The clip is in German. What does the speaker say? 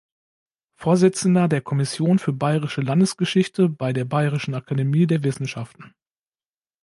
Vorsitzender der Kommission für bayerische Landesgeschichte bei der Bayerischen Akademie der Wissenschaften.